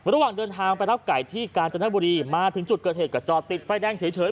ระหว่างเดินทางไปรับไก่ที่กาญจนบุรีมาถึงจุดเกิดเหตุก็จอดติดไฟแดงเฉย